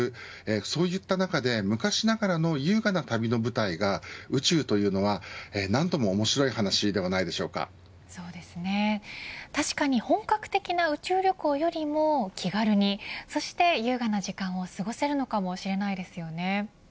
そういった中で、昔ながらの優雅な旅の舞台が宇宙というのは何とも確かに本格的な宇宙旅行よりも気軽に、そして優雅な時間を過ごせるのかもしれませんね。